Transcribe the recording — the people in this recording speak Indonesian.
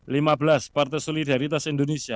lima belas partai solidaritas indonesia